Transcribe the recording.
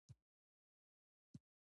سبا به له خیره پیدوزي غږ در باندې وکړي.